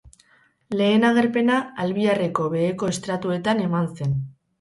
Lehen agerpena Albiarreko beheko estratuetan eman zen.